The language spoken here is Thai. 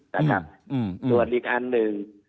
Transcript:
ส่วนอีกอันหนึ่ง